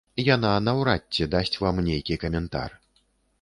Яна наўрад ці дасць вам нейкі каментар.